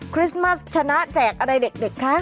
คริสต์มัสชนะแจกอะไรเด็กคะ